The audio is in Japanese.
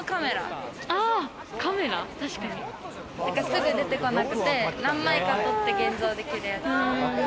すぐ出てこなくて、何枚か撮って現像できるやつ。